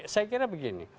saya kira begini